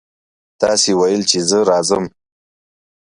تاسې ویل چې زه راځم.